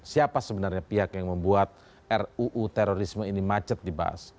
siapa sebenarnya pihak yang membuat ruu terorisme ini macet dibahas